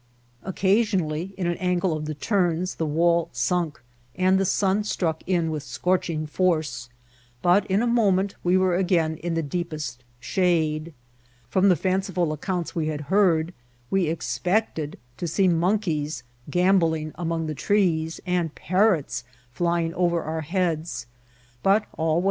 Occasionally, in an ang^e of the turns, the wall sunk, and the sun struck in with scorch ing force, but in a moment we were again in the deep est shade. From the fanciful acoounts we had heard, we expected to see monkeys gambolling among the trees, and parrots flying over our heads ; but all was as Vol.